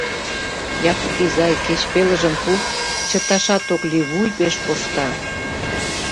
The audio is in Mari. Япык изай, кеч пелыжым пу: чыташат ок лий, вуй пеш коршта...